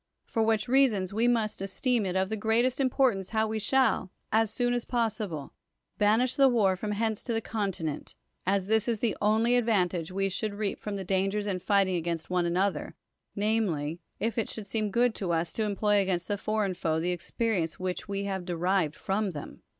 For which reasons we must esteem it of the greatest importance how we shall, as soon as possible, banish the war from hence to the continent, as this is the only advan tage we should reap from the dangers in fighting against one another, namely, if it should seem good to us to employ against, the foreign foe the experience which we have derived from them.